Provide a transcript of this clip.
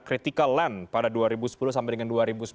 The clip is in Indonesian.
critical land pada dua ribu sepuluh sampai dengan dua ribu sembilan belas